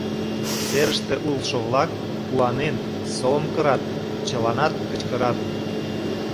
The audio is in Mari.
Серыште улшо-влак, куанен, совым кырат, чыланат кычкырат: